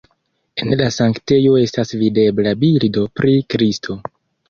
En la sanktejo estas videbla bildo pri Kristo.